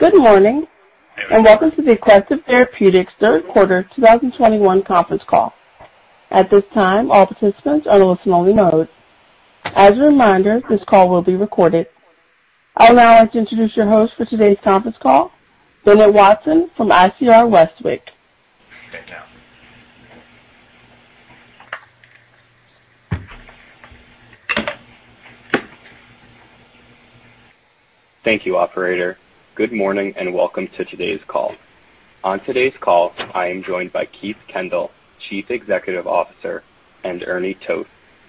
Good morning, and welcome to the Aquestive Therapeutics 3rd quarter 2021 conference call. At this time, all participants are in listen-only mode. As a reminder, this call will be recorded. I would now like to introduce your host for today's conference call, Bennett Watson from ICR Westwicke. Thank you. Thank you, operator. Good morning, and welcome to today's call. On today's call, I am joined by Keith Kendall, Chief Executive Officer, and Ernie Toth,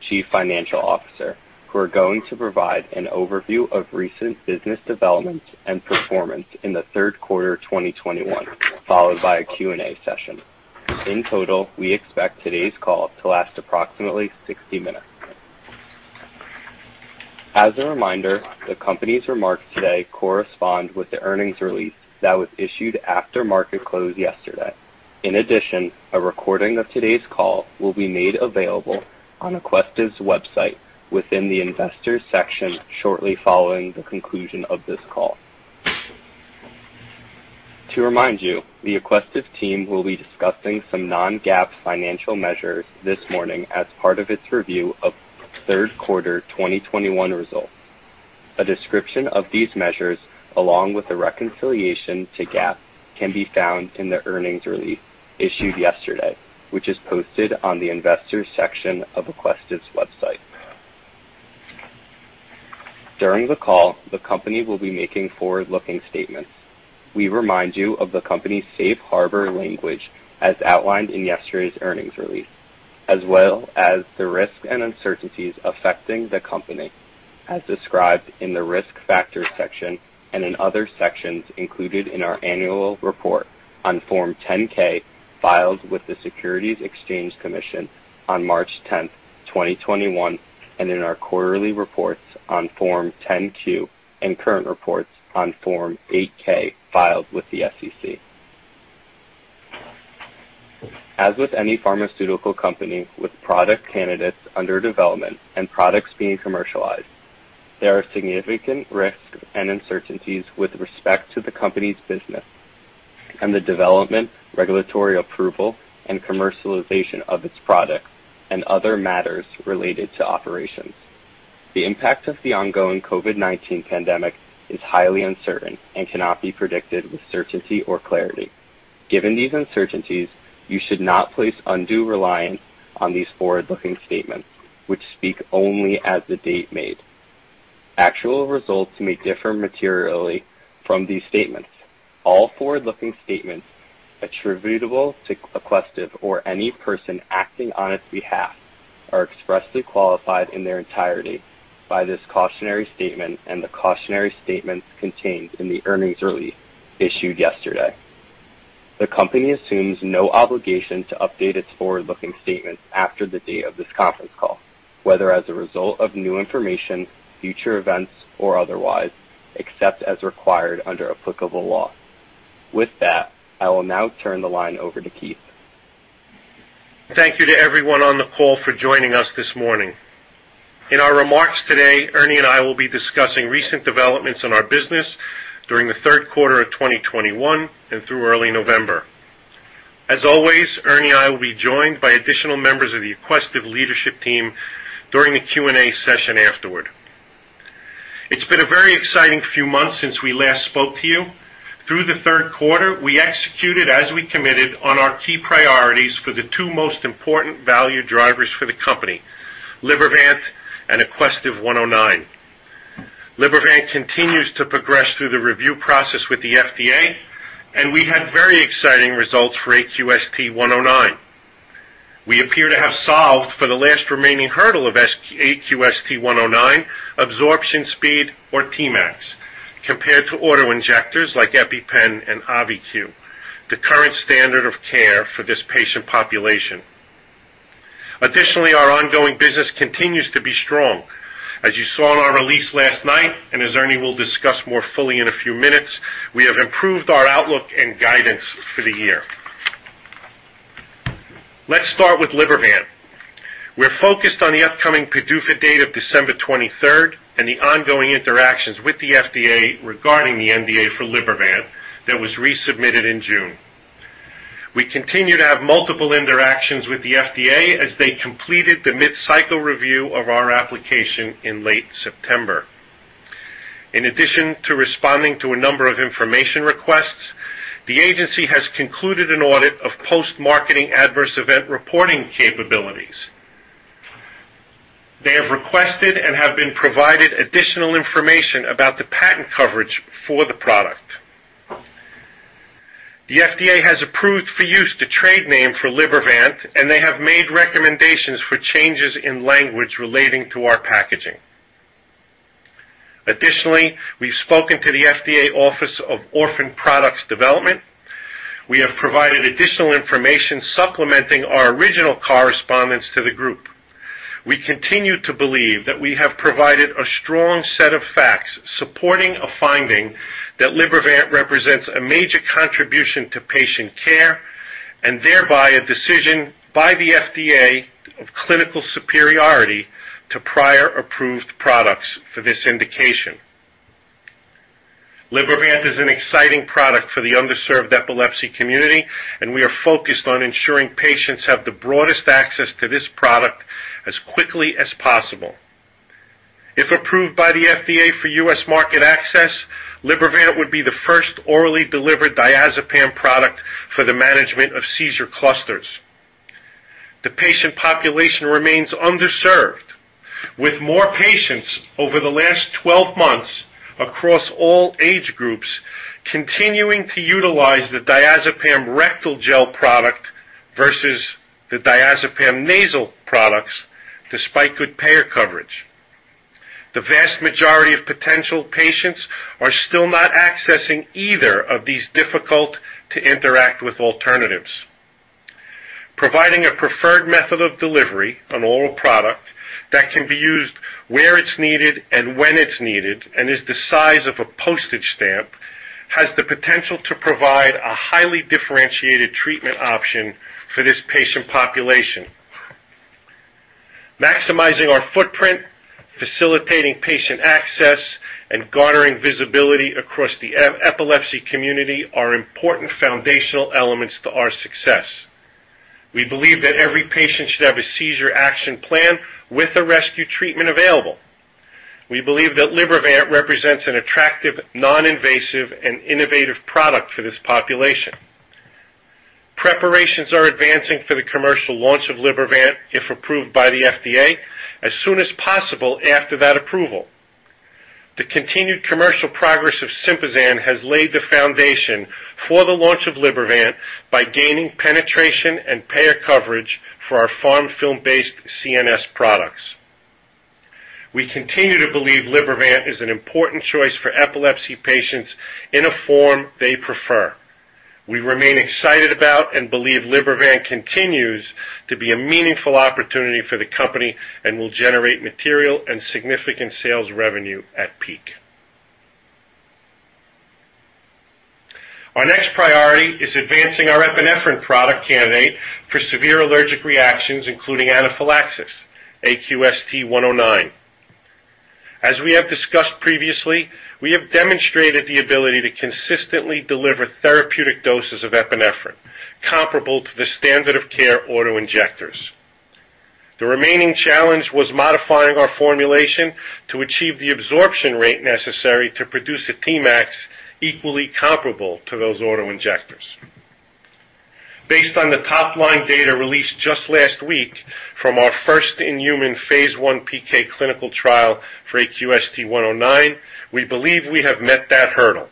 Chief Financial Officer, who are going to provide an overview of recent business developments and performance in the 3rd quarter of 2021, followed by a Q&A session. In total, we expect today's call to last approximately 60 minutes. As a reminder, the company's remarks today correspond with the earnings release that was issued after market close yesterday. In addition, a recording of today's call will be made available on Aquestive's website within the investors section shortly following the conclusion of this call. To remind you, the Aquestive team will be discussing some non-GAAP financial measures this morning as part of its review of 3rd quarter 2021 results. A description of these measures, along with the reconciliation to GAAP, can be found in the earnings release issued yesterday, which is posted on the investors section of Aquestive's website. During the call, the company will be making forward-looking statements. We remind you of the company's safe harbor language as outlined in yesterday's earnings release, as well as the risks and uncertainties affecting the company, as described in the Risk Factors section and in other sections included in our annual report on Form 10-K filed with the Securities and Exchange Commission on March 10, 2021, and in our quarterly reports on Form 10-Q and current reports on Form 8-K filed with the SEC. As with any pharmaceutical company with product candidates under development and products being commercialized, there are significant risks and uncertainties with respect to the company's business and the development, regulatory approval, and commercialization of its products and other matters related to operations. The impact of the ongoing COVID-19 pandemic is highly uncertain and cannot be predicted with certainty or clarity. Given these uncertainties, you should not place undue reliance on these forward-looking statements, which speak only as of the date made. Actual results may differ materially from these statements. All forward-looking statements attributable to Aquestive or any person acting on its behalf are expressly qualified in their entirety by this cautionary statement and the cautionary statements contained in the earnings release issued yesterday. The company assumes no obligation to update its forward-looking statements after the date of this conference call, whether as a result of new information, future events, or otherwise, except as required under applicable law. With that, I will now turn the line over to Keith. Thank you to everyone on the call for joining us this morning. In our remarks today, Ernie and I will be discussing recent developments in our business during the 3rd quarter of 2021 and through early November. As always, Ernie and I will be joined by additional members of the Aquestive leadership team during the Q&A session afterward. It's been a very exciting few months since we last spoke to you. Through the 3rd quarter, we executed as we committed on our key priorities for the 2 most important value drivers for the company, Libervant and AQST-109. Libervant continues to progress through the review process with the FDA, and we had very exciting results for AQST-109. We appear to have solved for the last remaining hurdle of AQST-109 absorption speed or Tmax compared to auto-injectors like EpiPen and AUVI-Q, the current standard of care for this patient population. Additionally, our ongoing business continues to be strong. As you saw in our release last night, and as Ernie will discuss more fully in a few minutes, we have improved our outlook and guidance for the year. Let's start with Libervant. We're focused on the upcoming PDUFA date of December twenty-3rd and the ongoing interactions with the FDA regarding the NDA for Libervant that was resubmitted in June. We continue to have multiple interactions with the FDA as they completed the mid-cycle review of our application in late September. In addition to responding to a number of information requests, the agency has concluded an audit of post-marketing adverse event reporting capabilities. They have requested and have been provided additional information about the patent coverage for the product. The FDA has approved for use the trade name for Libervant, and they have made recommendations for changes in language relating to our packaging. Additionally, we've spoken to the FDA Office of Orphan Products Development. We have provided additional information supplementing our original correspondence to the group. We continue to believe that we have provided a strong set of facts supporting a finding that Libervant represents a major contribution to patient care. Thereby a decision by the FDA of clinical superiority to prior approved products for this indication. Libervant is an exciting product for the underserved epilepsy community, and we are focused on ensuring patients have the broadest access to this product as quickly as possible. If approved by the FDA for U.S. market access, Libervant would be the first orally delivered diazepam product for the management of seizure clusters. The patient population remains underserved, with more patients over the last 12 months across all age groups continuing to utilize the diazepam rectal gel product versus the diazepam nasal products, despite good payer coverage. The vast majority of potential patients are still not accessing either of these difficult to interact with alternatives. Providing a preferred method of delivery, an oral product that can be used where it's needed and when it's needed and is the size of a postage stamp, has the potential to provide a highly differentiated treatment option for this patient population. Maximizing our footprint, facilitating patient access, and garnering visibility across the epilepsy community are important foundational elements to our success. We believe that every patient should have a seizure action plan with a rescue treatment available. We believe that Libervant represents an attractive, non-invasive, and innovative product for this population. Preparations are advancing for the commercial launch of Libervant, if approved by the FDA as soon as possible after that approval. The continued commercial progress of Sympazan has laid the foundation for the launch of Libervant by gaining penetration and payer coverage for our PharmFilm-based CNS products. We continue to believe Libervant is an important choice for epilepsy patients in a form they prefer. We remain excited about and believe Libervant continues to be a meaningful opportunity for the company and will generate material and significant sales revenue at peak. Our next priority is advancing our epinephrine product candidate for severe allergic reactions, including anaphylaxis, AQST-109. As we have discussed previously, we have demonstrated the ability to consistently deliver therapeutic doses of epinephrine comparable to the standard of care auto-injectors. The remaining challenge was modifying our formulation to achieve the absorption rate necessary to produce a Tmax equally comparable to those auto-injectors. Based on the top-line data released just last week from our first in human phase I PK clinical trial for AQST-109, we believe we have met that hurdle.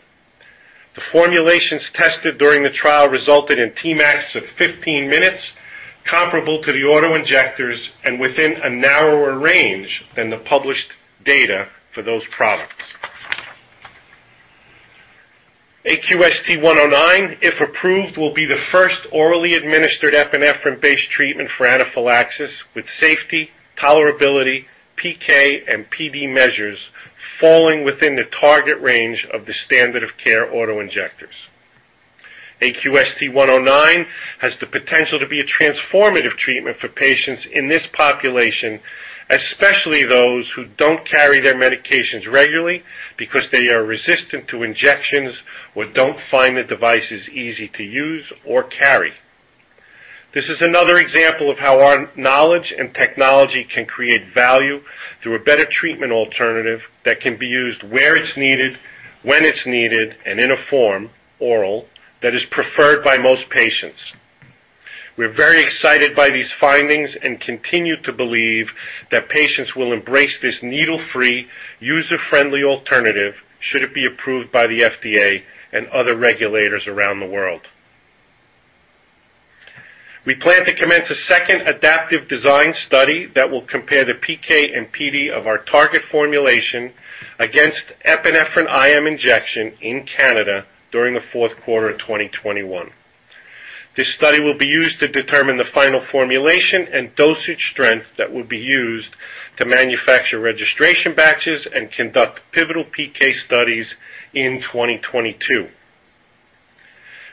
The formulations tested during the trial resulted in Tmax of 15 minutes, comparable to the auto-injectors and within a narrower range than the published data for those products. AQST-109, if approved, will be the first orally administered epinephrine-based treatment for anaphylaxis, with safety, tolerability, PK, and PD measures falling within the target range of the standard of care auto-injectors. AQST-109 has the potential to be a transformative treatment for patients in this population, especially those who don't carry their medications regularly because they are resistant to injections or don't find the devices easy to use or carry. This is another example of how our knowledge and technology can create value through a better treatment alternative that can be used where it's needed, when it's needed, and in a form, oral, that is preferred by most patients. We're very excited by these findings and continue to believe that patients will embrace this needle-free, user-friendly alternative should it be approved by the FDA and other regulators around the world. We plan to commence a second adaptive design study that will compare the PK and PD of our target formulation against epinephrine IM injection in Canada during the fourth quarter of 2021. This study will be used to determine the final formulation and dosage strength that will be used to manufacture registration batches and conduct pivotal PK studies in 2022.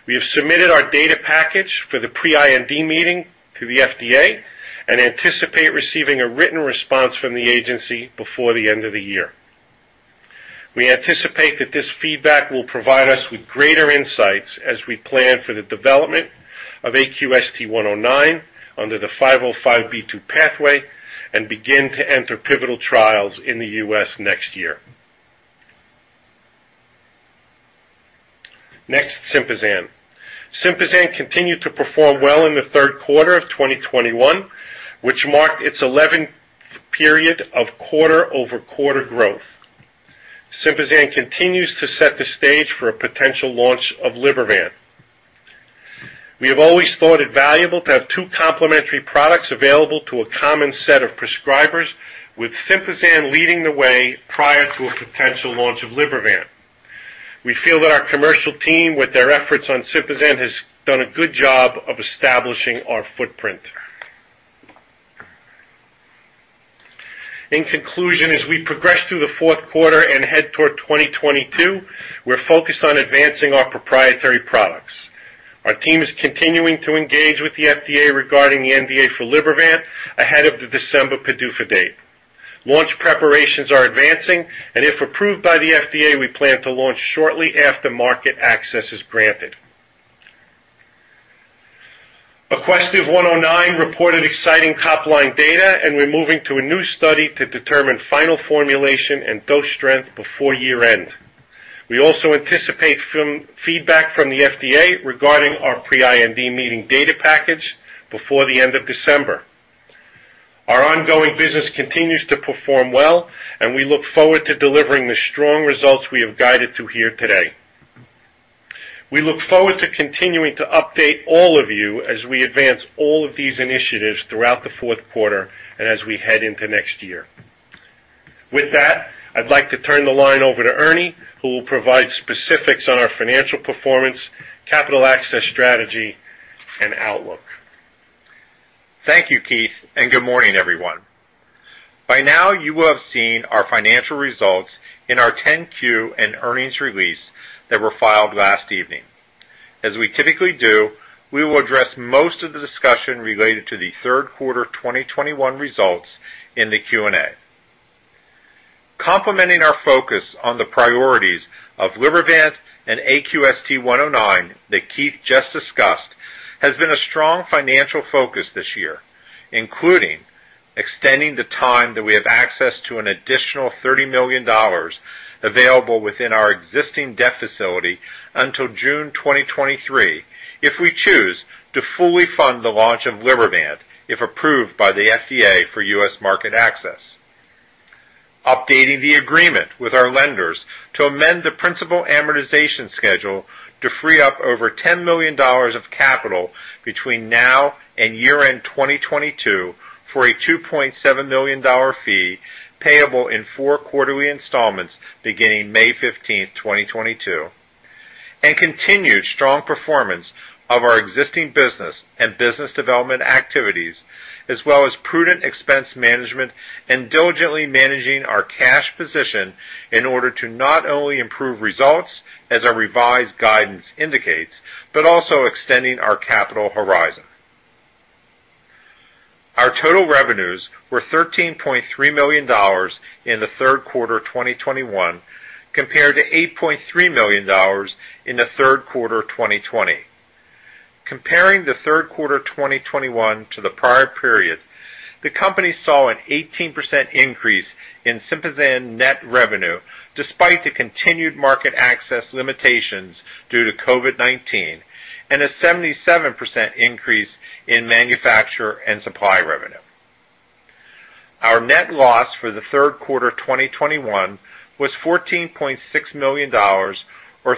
We have submitted our data package for the pre-IND meeting to the FDA and anticipate receiving a written response from the agency before the end of the year. We anticipate that this feedback will provide us with greater insights as we plan for the development of AQST-109 under the 505(b)(2) pathway and begin to enter pivotal trials in the U.S. next year. Next, Sympazan. Sympazan continued to perform well in the 3rd quarter of 2021, which marked its 11th period of quarter-over-quarter growth. Sympazan continues to set the stage for a potential launch of Libervant. We have always thought it valuable to have 2 complementary products available to a common set of prescribers, with Sympazan leading the way prior to a potential launch of Libervant. We feel that our commercial team, with their efforts on Sympazan, has done a good job of establishing our footprint. In conclusion, as we progress through the 4th quarter and head toward 2022, we're focused on advancing our proprietary products. Our team is continuing to engage with the FDA regarding the NDA for Libervant ahead of the December PDUFA date. Launch preparations are advancing, and if approved by the FDA, we plan to launch shortly after market access is granted. AQST-109 reported exciting top-line data, and we're moving to a new study to determine final formulation and dose strength before year-end. We also anticipate feedback from the FDA regarding our pre-IND meeting data package before the end of December. Our ongoing business continues to perform well, and we look forward to delivering the strong results we have guided to here today. We look forward to continuing to update all of you as we advance all of these initiatives throughout the 4th quarter and as we head into next year. With that, I'd like to turn the line over to Ernie, who will provide specifics on our financial performance, capital access strategy, and outlook. Thank you, Keith, and good morning, everyone. By now, you will have seen our financial results in our 10-Q and earnings release that were filed last evening. As we typically do, we will address most of the discussion related to the 3rd quarter 2021 results in the Q&A. Complementing our focus on the priorities of Libervant and AQST-109 that Keith just discussed has been a strong financial focus this year, including extending the time that we have access to an additional $30 million available within our existing debt facility until June 2023 if we choose to fully fund the launch of Libervant if approved by the FDA for U.S. market access. Updating the agreement with our lenders to amend the principal amortization schedule to free up over $10 million of capital between now and year-end 2022 for a $2.7 million fee payable in 4 quarterly installments beginning May 15, 2022, and continued strong performance of our existing business and business development activities as well as prudent expense management and diligently managing our cash position in order to not only improve results, as our revised guidance indicates, but also extending our capital horizon. Our total revenues were $13.3 million in the 3rd quarter of 2021 compared to $8.3 million in the 3rd quarter of 2020. Comparing the 3rd quarter of 2021 to the prior period, the company saw an 18% increase in Sympazan net revenue despite the continued market access limitations due to COVID-19, and a 77% increase in manufacturer and supply revenue. Our net loss for the 3rd quarter of 2021 was $14.6 million or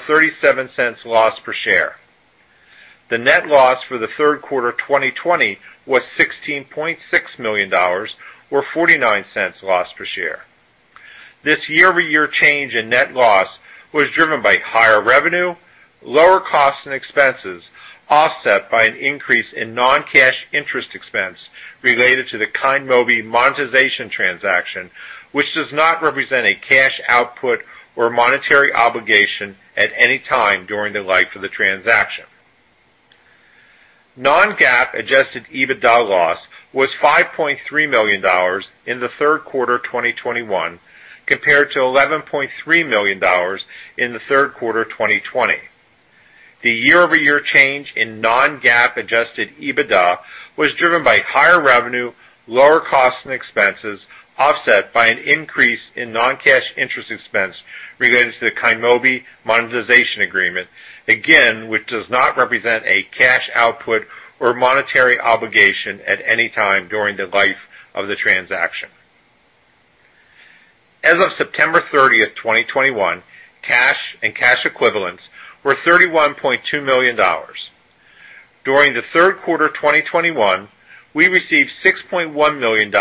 $0.37 loss per share. The net loss for the 3rd quarter of 2020 was $16.6 million or $0.49 loss per share. This year-over-year change in net loss was driven by higher revenue, lower costs and expenses, offset by an increase in non-cash interest expense related to the KYNMOBI monetization transaction, which does not represent a cash output or monetary obligation at any time during the life of the transaction. non-GAAP adjusted EBITDA loss was $5.3 million in the 3rd quarter of 2021 compared to $11.3 million in the 3rd quarter of 2020. The year-over-year change in non-GAAP adjusted EBITDA was driven by higher revenue, lower costs and expenses, offset by an increase in non-cash interest expense related to the KYNMOBI monetization agreement, again, which does not represent a cash output or monetary obligation at any time during the life of the transaction. As of September 30, 2021, cash and cash equivalents were $31.2 million. During the 3rd quarter of 2021, we received $6.1 million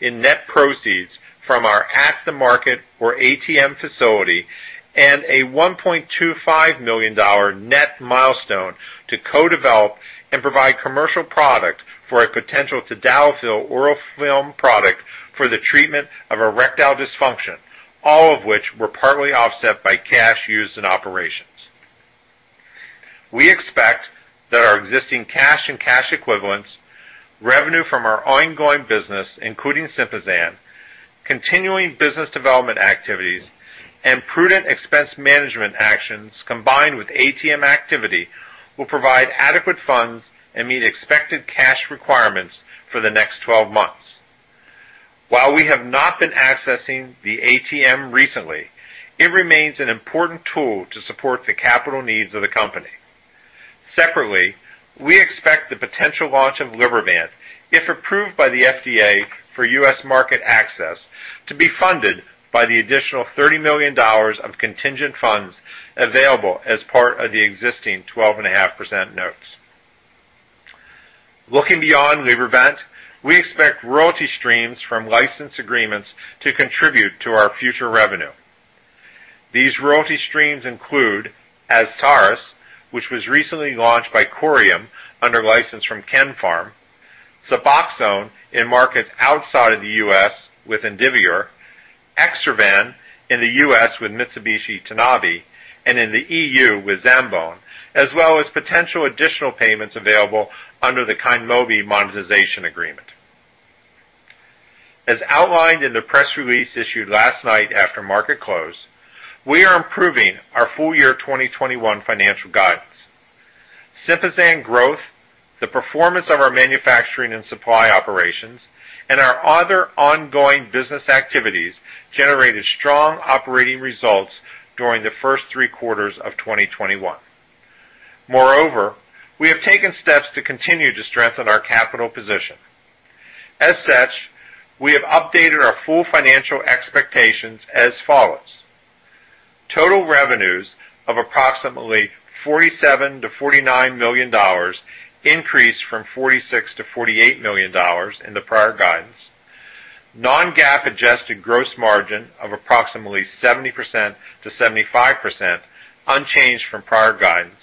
in net proceeds from our at-the-market or ATM facility and a $1.25 million net milestone to co-develop and provide commercial product for a potential tadalafil oral film product for the treatment of erectile dysfunction, all of which were partly offset by cash used in operations. We expect that our existing cash and cash equivalents, revenue from our ongoing business, including Sympazan, continuing business development activities, and prudent expense management actions combined with ATM activity will provide adequate funds and meet expected cash requirements for the next 12 months. While we have not been accessing the ATM recently, it remains an important tool to support the capital needs of the company. Separately, we expect the potential launch of Libervant, if approved by the FDA for U.S. market access, to be funded by the additional $30 million of contingent funds available as part of the existing 12.5% notes. Looking beyond Libervant, we expect royalty streams from license agreements to contribute to our future revenue. These royalty streams include Azstarys, which was recently launched by Corium under license from KemPharm, Suboxone in markets outside of the U.S. with Indivior, Exservan in the U.S. with Mitsubishi Tanabe Pharma and in the EU with Zambon, as well as potential additional payments available under the KYNMOBI monetization agreement. As outlined in the press release issued last night after market close, we are improving our full year 2021 financial guidance. Sympazan growth, the performance of our manufacturing and supply operations, and our other ongoing business activities generated strong operating results during the first 3 quarters of 2021. Moreover, we have taken steps to continue to strengthen our capital position. As such, we have updated our full financial expectations as follows. Total revenues of approximately $47 million-$49 million, increase from $46 million-$48 million in the prior guidance. non-GAAP adjusted gross margin of approximately 70%-75%, unchanged from prior guidance.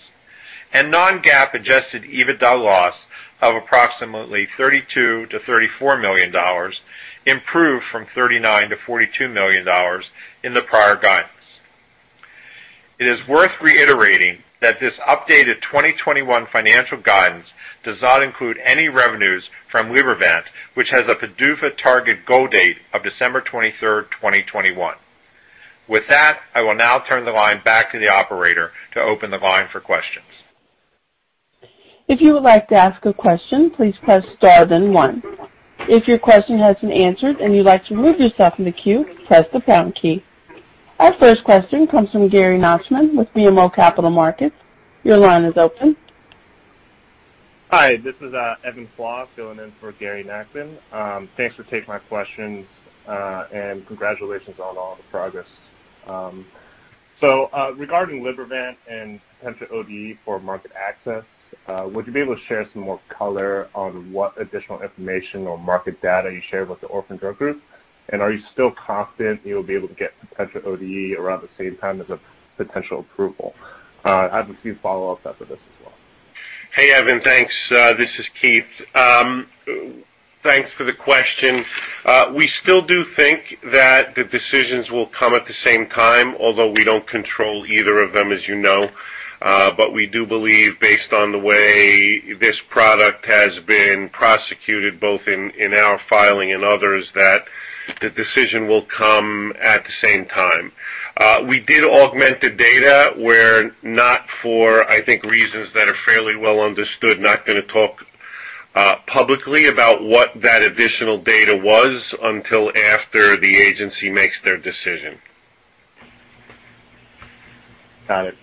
non-GAAP adjusted EBITDA loss of approximately $32 million-$34 million, improved from $39 million-$42 million in the prior guidance. It is worth reiterating that this updated 2021 financial guidance does not include any revenues from Libervant, which has a PDUFA target go date of December 23, 2021. With that, I will now turn the line back to the operator to open the line for questions. Our first question comes from Gary Nachman with BMO Capital Markets. Your line is open. Hi, this is Evan Seigerman filling in for Gary Nachman. Thanks for taking my questions, and congratulations on all the progress. Regarding Libervant and potential ODE for market access, would you be able to share some more color on what additional information or market data you shared with the orphan drug group? Are you still confident you'll be able to get potential ODE around the same time as a potential approval? I have a few follow-ups after this as well. Hey, Evan. Thanks. This is Keith. Thanks for the question. We still do think that the decisions will come at the same time, although we don't control either of them, as you know. We do believe based on the way this product has been prosecuted, both in our filing and others, that the decision will come at the same time. We did augment the data for, I think, reasons that are fairly well understood. We're not gonna talk publicly about what that additional data was until after the agency makes their decision. Got it.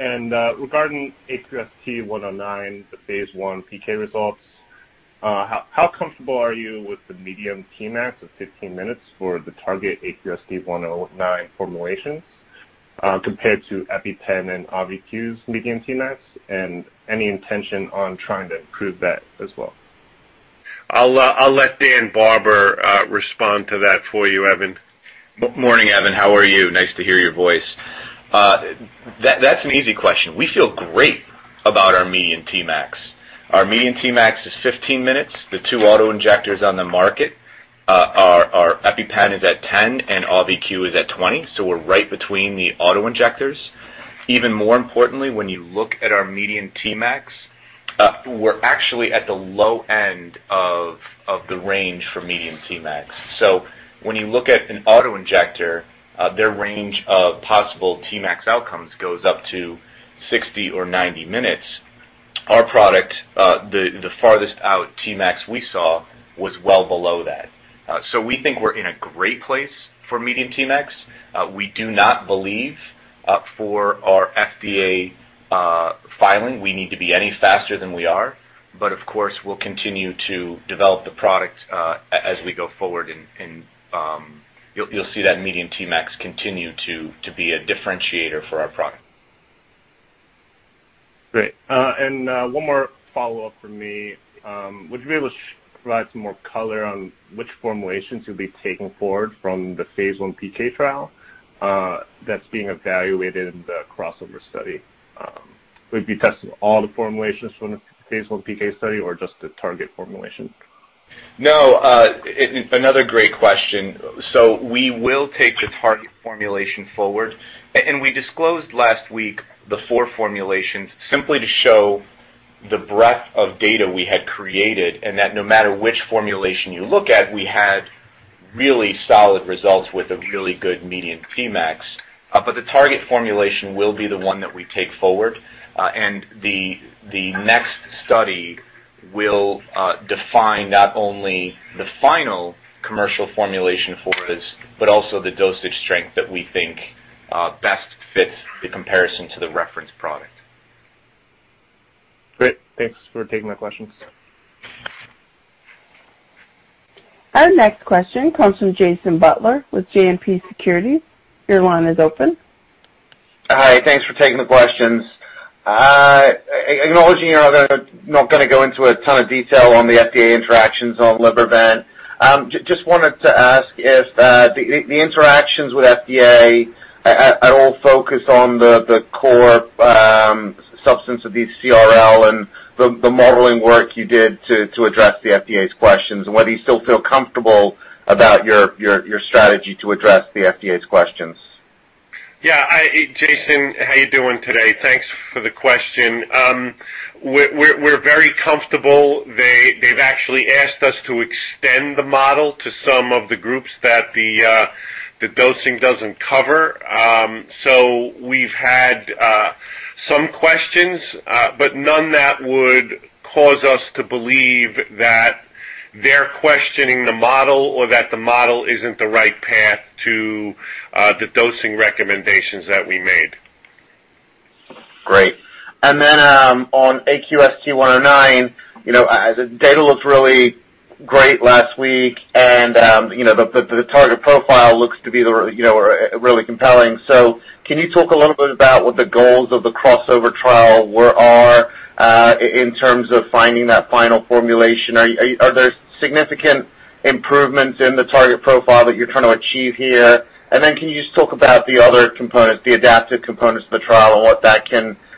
Regarding AQST-109, the phase I PK results, how comfortable are you with the median Tmax of 15 minutes for the target AQST-109 formulations, compared to EpiPen and AUVI-Q's median Tmax, and any intention on trying to improve that as well? I'll let Daniel Barber respond to that for you, Evan. Morning, Evan. How are you? Nice to hear your voice. That’s an easy question. We feel great about our median Tmax. Our median Tmax is 15 minutes. The 2 auto-injectors on the market are EpiPen is at 10 and AUVI-Q is at 20. We’re right between the auto-injectors. Even more importantly, when you look at our median Tmax, we’re actually at the low end of the range for median Tmax. When you look at an auto-injector, their range of possible Tmax outcomes goes up to 60 or 90 minutes. Our product, the farthest out Tmax we saw was well below that. We think we’re in a great place for median Tmax. We do not believe, for our FDA filing, we need to be any faster than we are, but of course, we'll continue to develop the product, as we go forward and, you'll see that median Tmax continue to be a differentiator for our product. Great. One more follow-up from me. Would you be able to provide some more color on which formulations you'll be taking forward from the phase I PK trial that's being evaluated in the crossover study? Will you be testing all the formulations from the phase I PK study or just the target formulation? No, it's another great question. We will take the target formulation forward. We disclosed last week the four formulations simply to show the breadth of data we had created and that no matter which formulation you look at, we had really solid results with a really good median Tmax. The target formulation will be the one that we take forward. The next study will define not only the final commercial formulation for this, but also the dosage strength that we think best fits the comparison to the reference product. Great. Thanks for taking my questions. Our next question comes from Jason Butler with JMP Securities. Your line is open. Hi. Thanks for taking the questions. Acknowledging you're not gonna go into a ton of detail on the FDA interactions on Libervant, just wanted to ask if the interactions with FDA at all focused on the core substance of the CRL and the modeling work you did to address the FDA's questions and whether you still feel comfortable about your strategy to address the FDA's questions. Yeah. Jason, how you doing today? Thanks for the question. We're very comfortable. They've actually asked us to extend the model to some of the groups that the dosing doesn't cover. We've had some questions, but none that would cause us to believe that they're questioning the model or that the model isn't the right path to the dosing recommendations that we made. Great. On AQST-109, you know, data looks really great last week, and, you know, the target profile looks to be the, you know, really compelling. Can you talk a little bit about what the goals of the crossover trial were, are, in terms of finding that final formulation? Are there significant improvements in the target profile that you're trying to achieve here? Can you just talk about the other components, the adaptive components of the trial and what that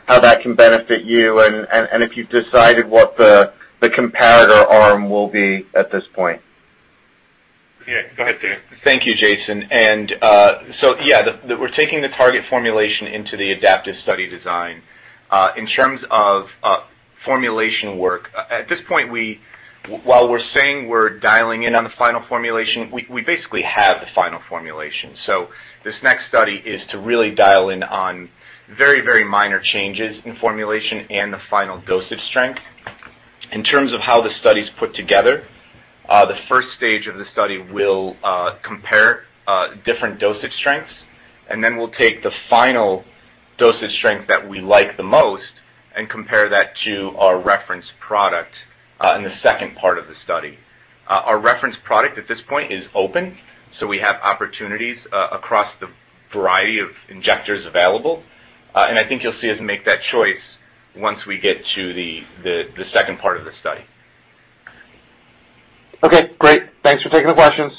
how that can benefit you and, if you've decided what the comparator arm will be at this point? Yeah. Go ahead, Dan. Thank you, Jason. We're taking the target formulation into the adaptive study design. In terms of formulation work, at this point, while we're saying we're dialing in on the final formulation, we basically have the final formulation. This next study is to really dial in on very, very minor changes in formulation and the final dosage strength. In terms of how the study's put together, the first stage of the study will compare different dosage strengths, and then we'll take the final dosage strength that we like the most and compare that to our reference product in the second part of the study. Our reference product at this point is open, so we have opportunities across the variety of injectors available. I think you'll see us make that choice once we get to the second part of the study. Okay, great. Thanks for taking the questions.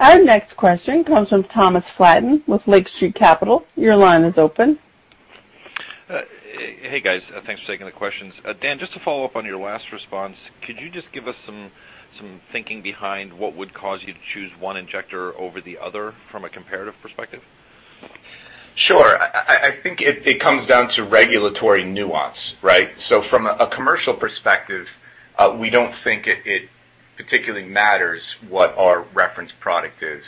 Our next question comes from Thomas Flaten with Lake Street Capital Markets. Your line is open. Hey, guys. Thanks for taking the questions. Dan, just to follow up on your last response, could you just give us some thinking behind what would cause you to choose one injector over the other from a comparative perspective? Sure. I think it comes down to regulatory nuance, right? From a commercial perspective, we don't think it particularly matters what our reference product is.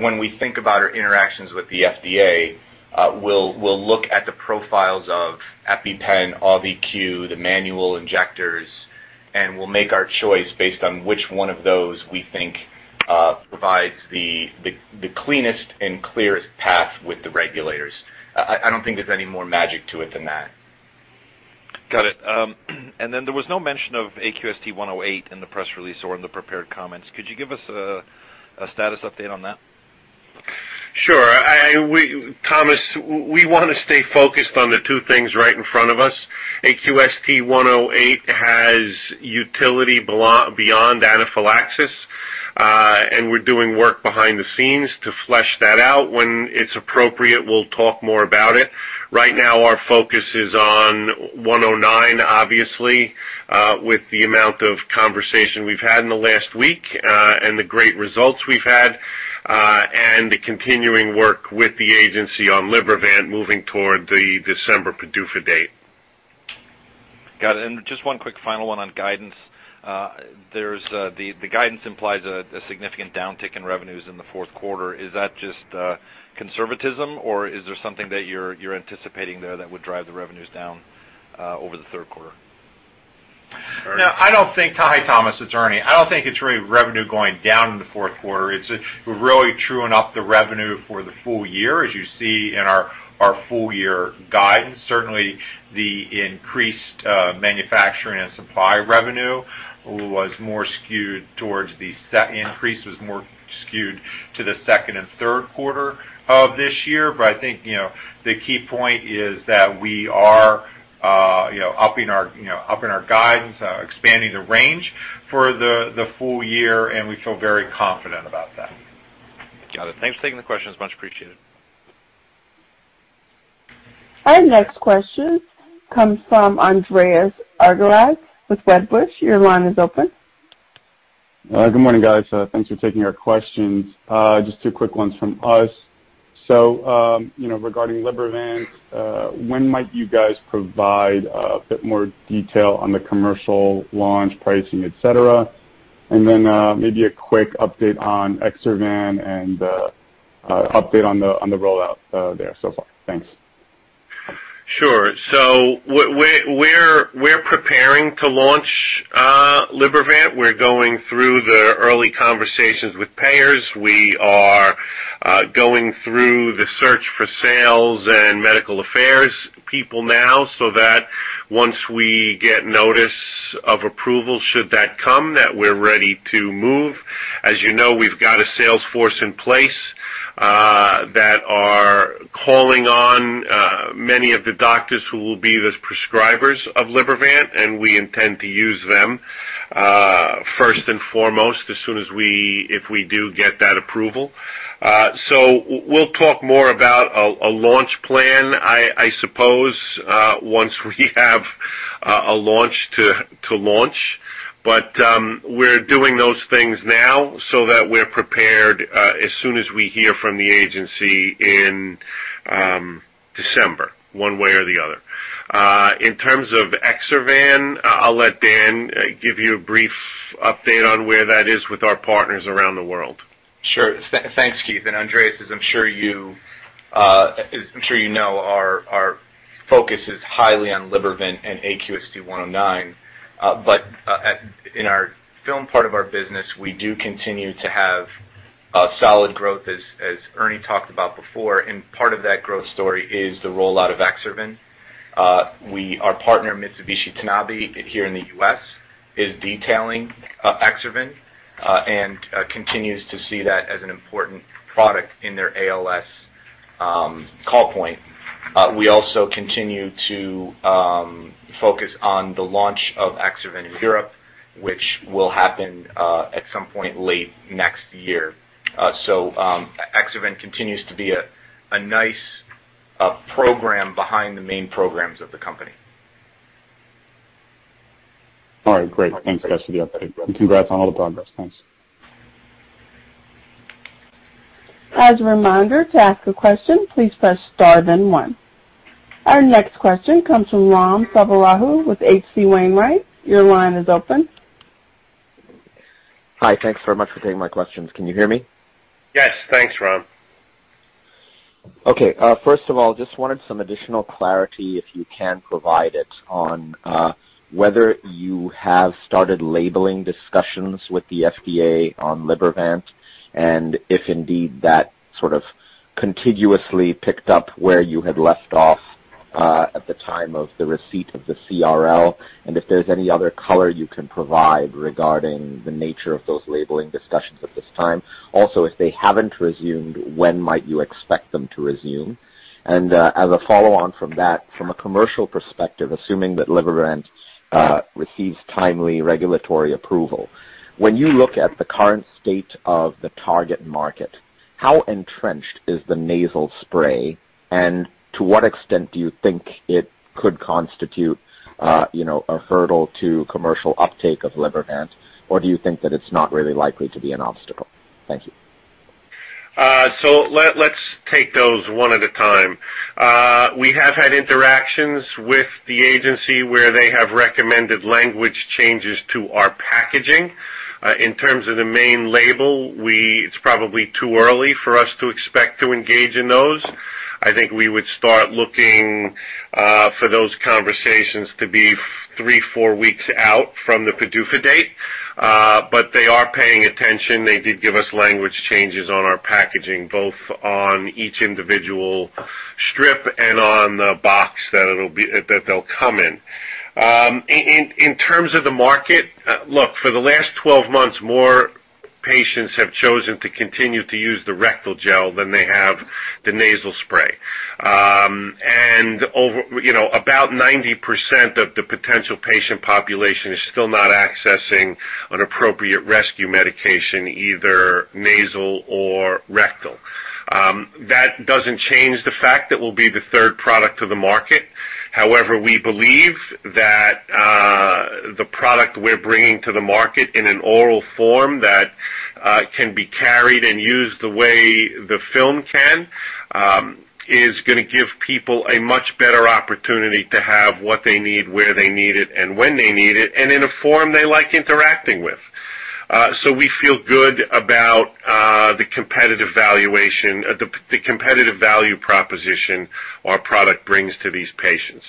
When we think about our interactions with the FDA, we'll look at the profiles of EpiPen, AUVI-Q, the manual injectors, and we'll make our choice based on which one of those we think provides the cleanest and clearest path with the regulators. I don't think there's any more magic to it than that. Got it. There was no mention of AQST-108 in the press release or in the prepared comments. Could you give us a status update on that? Sure. We, Thomas, we want to stay focused on the 2 things right in front of us. AQST-108 has utility beyond anaphylaxis, and we're doing work behind the scenes to flesh that out. When it's appropriate, we'll talk more about it. Right now, our focus is on 109, obviously, with the amount of conversation we've had in the last week, and the great results we've had, and the continuing work with the agency on Libervant moving toward the December PDUFA date. Got it. Just one quick final one on guidance. The guidance implies a significant downtick in revenues in the fourth quarter. Is that just conservatism, or is there something that you're anticipating there that would drive the revenues down over the 3rd quarter? Ernie. No, I don't think. Hi, Thomas. It's Ernie. I don't think it's really revenue going down in the fourth quarter. It's really truing up the revenue for the full year, as you see in our full year guidance. Certainly, the increase in manufacturing and supply revenue was more skewed to the second and 3rd quarter of this year. I think, you know, the key point is that we are, you know, upping our guidance, expanding the range for the full year, and we feel very confident about that. Got it. Thanks for taking the questions. Much appreciated. Our next question comes from Andreas Argyrides with Redburn. Your line is open. Good morning, guys. Thanks for taking our questions. Just 2 quick ones from us. You know, regarding Libervant, when might you guys provide a bit more detail on the commercial launch pricing, et cetera? Maybe a quick update on Exservan and update on the rollout there so far. Thanks. Sure. We're preparing to launch Libervant. We're going through the early conversations with payers. We are going through the certain sales and medical affairs people now, so that once we get notice of approval, should that come, that we're ready to move. As you know, we've got a sales force in place that are calling on many of the doctors who will be the prescribers of Libervant, and we intend to use them first and foremost as soon as if we do get that approval. We'll talk more about a launch plan, I suppose, once we have a launch to launch. We're doing those things now so that we're prepared as soon as we hear from the agency in December, one way or the other. In terms of Exservan, I'll let Dan give you a brief update on where that is with our partners around the world. Sure. Thanks, Keith. Andreas, as I'm sure you know, our focus is highly on Libervant and AQST-109. In our film part of our business, we do continue to have a solid growth, as Ernie talked about before, and part of that growth story is the rollout of Exservan. Our partner, Mitsubishi Tanabe Pharma, here in the U.S., is detailing Exservan and continues to see that as an important product in their ALS call point. We also continue to focus on the launch of Exservan in Europe, which will happen at some point late next year. Exservan continues to be a nice program behind the main programs of the company. All right. Great. Thanks, guys, for the update. Congrats on all the progress. Thanks. As a reminder, to ask a question, please press star then one. Our next question comes from Raghuram Selvaraju with H.C. Wainwright & Co. Your line is open. Hi. Thanks very much for taking my questions. Can you hear me? Yes. Thanks, Raghuram. Okay. First of all, just wanted some additional clarity, if you can provide it, on whether you have started labeling discussions with the FDA on Libervant and if indeed that sort of contiguously picked up where you had left off at the time of the receipt of the CRL, and if there's any other color you can provide regarding the nature of those labeling discussions at this time? Also, if they haven't resumed, when might you expect them to resume? As a follow-on from that, from a commercial perspective, assuming that Libervant receives timely regulatory approval, when you look at the current state of the target market, how entrenched is the nasal spray? To what extent do you think it could constitute, you know, a hurdle to commercial uptake of Libervant, or do you think that it's not really likely to be an obstacle? Thank you. Let's take those one at a time. We have had interactions with the agency where they have recommended language changes to our packaging. In terms of the main label, it's probably too early for us to expect to engage in those. I think we would start looking for those conversations to be 3-4 weeks out from the PDUFA date. But they are paying attention. They did give us language changes on our packaging, both on each individual strip and on the box that it'll be that they'll come in. In terms of the market, look, for the last 12 months, more patients have chosen to continue to use the rectal gel than they have the nasal spray. Over, you know, about 90% of the potential patient population is still not accessing an appropriate rescue medication, either nasal or rectal. That doesn't change the fact that we'll be the 3rd product to the market. However, we believe that, the product we're bringing to the market in an oral form that, can be carried and used the way the film can, is gonna give people a much better opportunity to have what they need, where they need it, and when they need it, and in a form they like interacting with. So we feel good about, the competitive valuation, the competitive value proposition our product brings to these patients.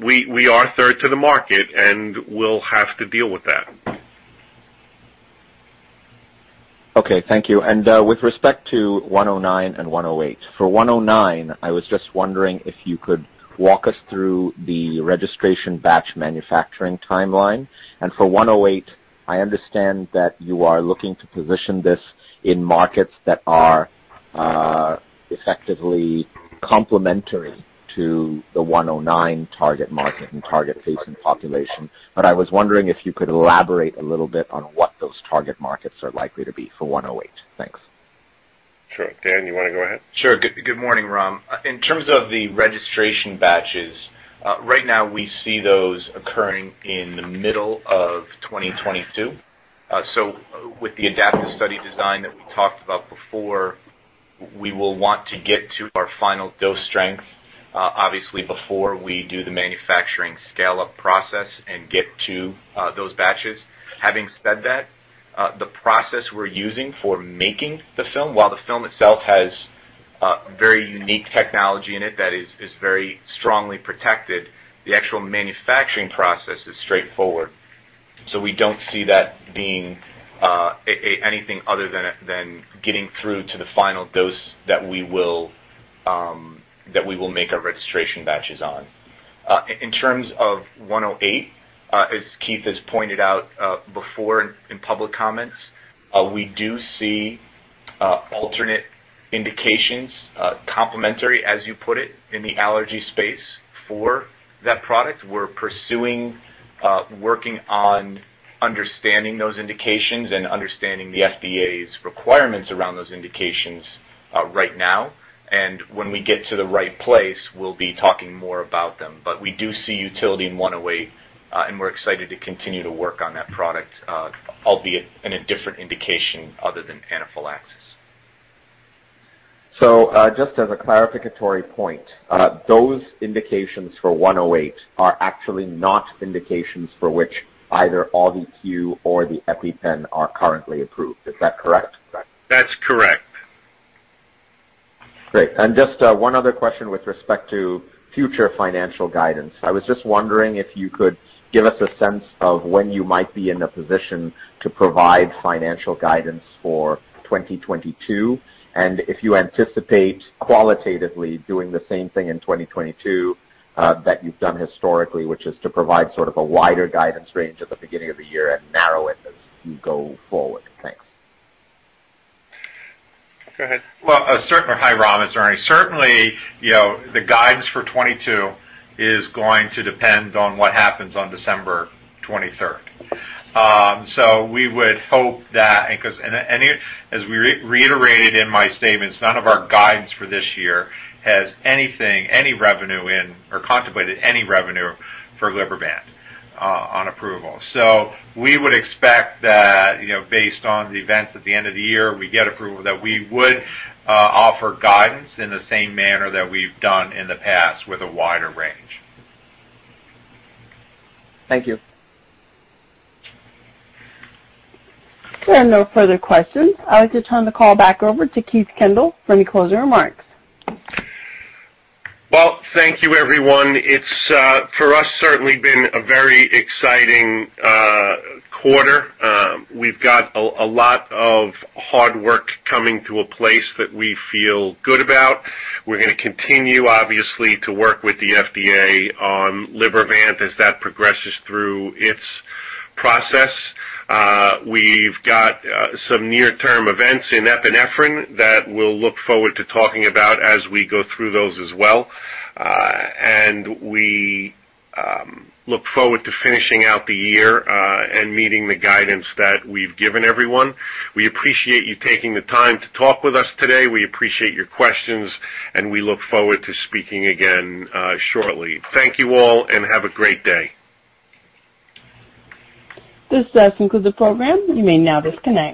We are 3rd to the market, and we'll have to deal with that. Okay. Thank you. With respect to 109 and 108, for 109, I was just wondering if you could walk us through the registration batch manufacturing timeline. For 108, I understand that you are looking to position this in markets that are effectively complementary to the 109 target market and target patient population, but I was wondering if you could elaborate a little bit on what those target markets are likely to be for 108. Thanks. Sure. Dan, you wanna go ahead? Sure. Good morning, Raghuram. In terms of the registration batches, right now we see those occurring in the middle of 2022. With the adaptive study design that we talked about before, we will want to get to our final dose strength, obviously before we do the manufacturing scale-up process and get to those batches. Having said that, the process we're using for making the film, while the film itself has a very unique technology in it that is very strongly protected, the actual manufacturing process is straightforward. We don't see that being anything other than getting through to the final dose that we will make our registration batches on. In terms of 108, as Keith has pointed out, before in public comments, we do see alternate indications, complementary, as you put it in the allergy space for that product. We're pursuing, working on understanding those indications and understanding the FDA's requirements around those indications, right now. When we get to the right place, we'll be talking more about them. We do see utility in 108, and we're excited to continue to work on that product, albeit in a different indication other than anaphylaxis. Just as a clarificatory point, those indications for 108 are actually not indications for which either AUVI-Q or the EpiPen are currently approved. Is that correct? That's correct. Great. Just, one other question with respect to future financial guidance. I was just wondering if you could give us a sense of when you might be in a position to provide financial guidance for 2022, and if you anticipate qualitatively doing the same thing in 2022, that you've done historically, which is to provide sort of a wider guidance range at the beginning of the year and narrow it as you go forward. Thanks. Hi, Raghuram. It's Ernie. Certainly, you know, the guidance for 2022 is going to depend on what happens on December 23rd. As we reiterated in my statements, none of our guidance for this year has anything, any revenue in or contemplated any revenue for Libervant on approval. We would expect that, you know, based on the events at the end of the year, we get approval that we would offer guidance in the same manner that we've done in the past with a wider range. Thank you. There are no further questions. I'd like to turn the call back over to Keith Kendall for any closing remarks. Well, thank you everyone. It's for us certainly been a very exciting quarter. We've got a lot of hard work coming to a place that we feel good about. We're gonna continue, obviously, to work with the FDA on Libervant as that progresses through its process. We've got some near-term events in epinephrine that we'll look forward to talking about as we go through those as well. We look forward to finishing out the year and meeting the guidance that we've given everyone. We appreciate you taking the time to talk with us today. We appreciate your questions, and we look forward to speaking again shortly. Thank you all, and have a great day. This concludes the program. You may now disconnect.